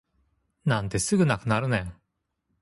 なんですぐなくなるねん